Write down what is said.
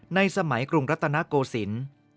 ในสมัยกรุงรัตนโกสิน